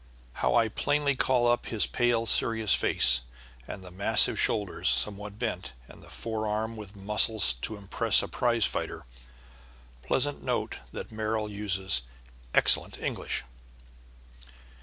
How plainly I call up his pale, serious face and the massive shoulders, somewhat bent, and the forearm with muscles to impress a prize fighter! Pleasant to note that Merrill uses excellent English.